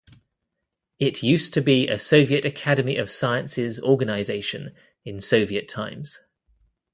It used to be a Soviet Academy of Sciences organization in Soviet times.